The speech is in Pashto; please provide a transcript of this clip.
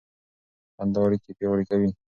خندا اړیکې پیاوړې کوي.